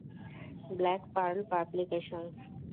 Black pearl publications.